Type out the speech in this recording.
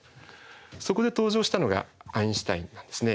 そこで登場したのがアインシュタインなんですね。